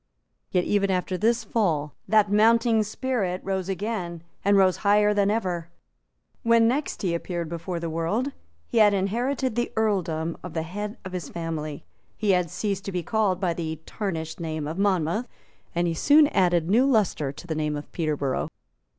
Yet even after this fall, that mounting spirit rose again, and rose higher than ever. When he next appeared before the world, he had inherited the earldom of the head of his family; he had ceased to be called by the tarnished name of Monmouth; and he soon added new lustre to the name of Peterborough.